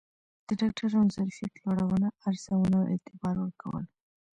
د ډاکترانو ظرفیت لوړونه، ارزونه او اعتبار ورکول